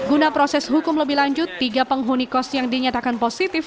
guna proses hukum lebih lanjut tiga penghuni kos yang dinyatakan positif